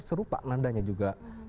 serupa nandanya juga